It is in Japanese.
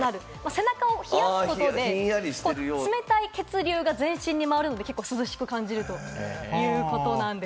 背中を冷やすことで、冷たい血流が全身に回るので結構涼しく感じるということなんです。